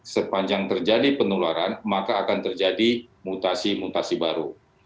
sepanjang terjadi penularan maka akan terjadi mutasi mutasi baru